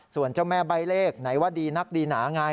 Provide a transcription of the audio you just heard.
ส่วนเจ้าแม่ใบเลขไหนว่าดีนักดีหนาไง